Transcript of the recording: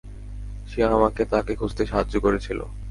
সে আমাকে তাকে খুঁজতে সাহায্য করেছিল।